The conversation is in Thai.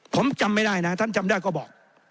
ผมจำไม่ได้นะท่านจำได้ก็บอก